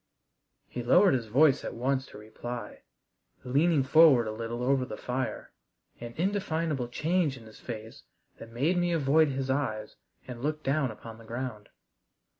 He lowered his voice at once to reply, leaning forward a little over the fire, an indefinable change in his face that made me avoid his eyes and look down upon the ground.